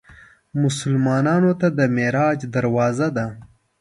مسلمانانو ته د معراج دروازه ده.